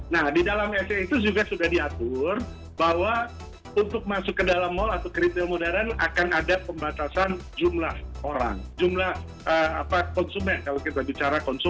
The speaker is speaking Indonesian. nah di dalam sa itu juga sudah diatur bahwa untuk masuk ke dalam mall atau ke retail modern akan ada pembatasan